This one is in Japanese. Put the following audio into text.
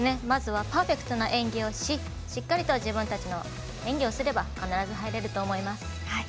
まずはパーフェクトな演技をしてしっかりと自分たちの演技をすれば必ず、入れると思います。